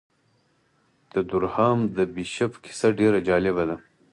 د دورهام د بیشپ کیسه ډېره جالبه ده.